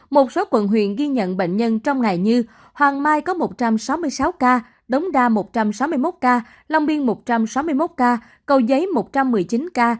một số quận huyện ghi nhận bệnh nhân trong ngày như hoàng mai có một trăm sáu mươi sáu ca đống đa một trăm sáu mươi một ca long biên một trăm sáu mươi một ca cầu giấy một trăm một mươi chín ca